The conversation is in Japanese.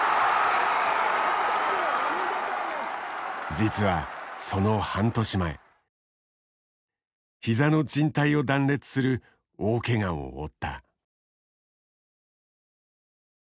実はその半年前膝の靱帯を断裂する大ケガを負った。